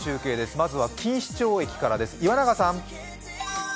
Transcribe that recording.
まずは錦糸町駅からです。